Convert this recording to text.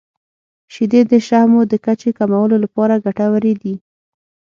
• شیدې د شحمو د کچې کمولو لپاره ګټورې دي.